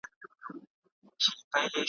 د دې مظلوم قام د ژغورني `